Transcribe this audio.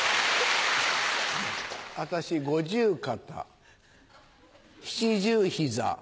私五十肩七十膝。